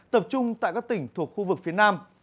tập trung tại các tỉnh thuộc khu vực phía nam